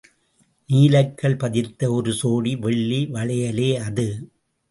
நீலக்கல் பதித்த ஒரு சோடி வெள்ளி வளையலே அது.